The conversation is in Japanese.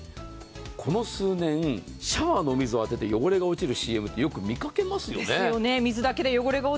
この数年、シャワーを当てて汚れが落ちるＣＭ、よく見かけますよね。